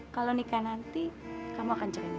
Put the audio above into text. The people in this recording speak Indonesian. kalau nikah nanti kamu akan cerai mulu